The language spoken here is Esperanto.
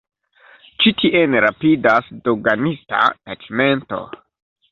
Ĉi tien rapidas doganista taĉmento.